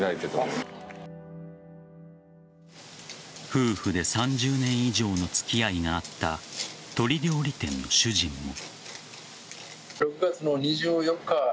夫婦で３０年以上の付き合いがあった鶏料理店の主人も。